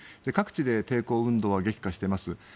各地で抵抗運動は激化しています。